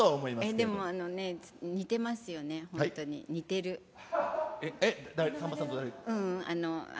でも、似てますよね、本当に、えっ？